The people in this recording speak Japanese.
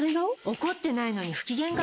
怒ってないのに不機嫌顔？